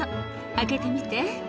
「開けてみて」